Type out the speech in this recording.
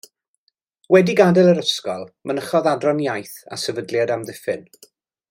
Wedi gadael yr ysgol mynychodd Adran Iaith a Sefydliad Amddiffyn.